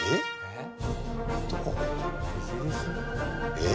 えっ？